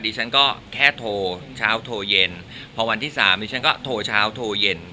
ฉันก็แค่โทรเช้าโทรเย็นพอวันที่สามดิฉันก็โทรเช้าโทรเย็น